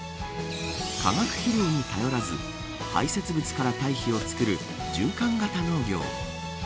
化学肥料に頼らず排せつ物から堆肥を作る循環型農業。